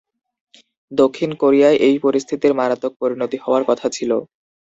দক্ষিণ কোরিয়ায় এই পরিস্থিতির মারাত্মক পরিণতি হওয়ার কথা ছিল।